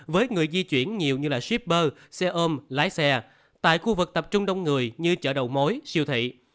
với người di chuyển nhiều như là shipper xe ôm lái xe tại khu vực tập trung đông người như chợ đầu mối siêu thị